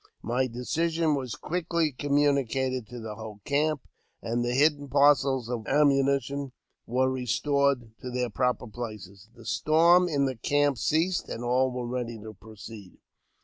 My decision was quickly communicated to the whole camp, and the hidden parcels of ammunition were restored to their proper places. The storm in the camp ceased, and all were ready to proceed.